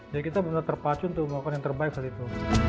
ya kita benar benar terpacu untuk melakukan yang terbaik saat itu